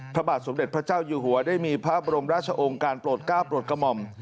พระบาทสมเด็จพระเจ้าอยู่หัวได้มีพระบรมราชองค์การโปรดก้าวโปรดกระหม่อม